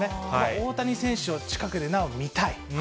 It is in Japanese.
大谷選手を近くでなお見たい。